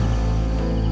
eh kebalik kebalik